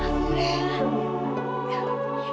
aku ingin pergi